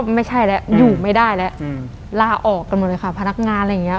ไม่ใช่แล้วอยู่ไม่ได้แล้วลาออกกันหมดเลยค่ะพนักงานอะไรอย่างเงี้